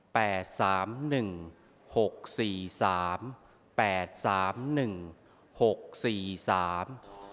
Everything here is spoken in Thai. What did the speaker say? สามหนึ่งหกสี่สามแปดสามหนึ่งหกสี่สาม